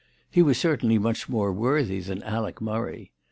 He was certainly much more worthy than Alec Murray.